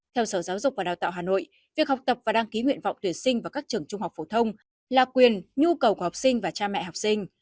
theo sở giáo dục và đào tạo hà nội việc học tập và đăng ký nguyện vọng tuyển sinh vào các trường trung học phổ thông là quyền nhu cầu của học sinh và cha mẹ học sinh